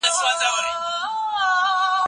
موږ باید د علمي اخلاقو اصول په پام کي ونیسو.